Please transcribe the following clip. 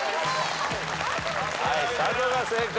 はい「さぞ」が正解。